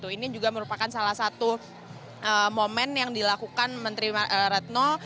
ini juga merupakan salah satu momen yang dilakukan menteri retno